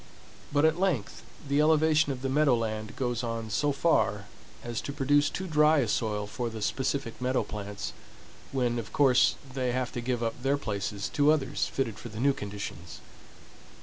But at length the elevation of the meadow land goes on so far as to produce too dry a soil for the specific meadow plants, when, of course, they have to give up their places to others fitted for the new conditions.